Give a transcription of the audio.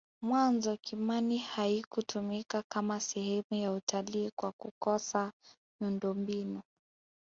mwanzo kimani haikutumika Kama sehemu ya utalii kwa kukosa miundombinu